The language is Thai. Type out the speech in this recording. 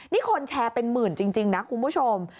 นี่คนแชร์เป็นหมื่นจริงนะคุณผู้ชม